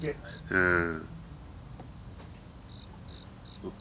うん。